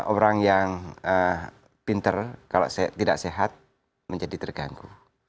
orang yang pinter kalau tidak sehat menjadi terganggu